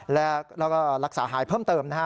แล้วก็รักษาหายเพิ่มเติมนะฮะ